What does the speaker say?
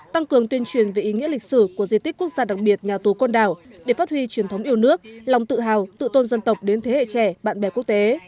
tăng cường tuyên truyền về ý nghĩa lịch sử của di tích quốc gia đặc biệt nhà tù côn đảo để phát huy truyền thống yêu nước lòng tự hào tự tôn dân tộc đến thế hệ trẻ bạn bè quốc tế